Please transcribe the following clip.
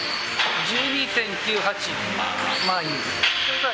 １２．９８、まあいいか。